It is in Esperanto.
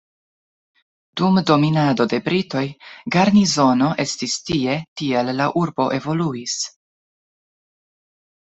Dum dominado de britoj garnizono estis tie, tial la urbo evoluis.